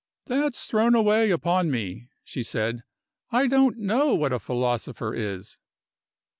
"That's thrown away upon me," she said: "I don't know what a philosopher is."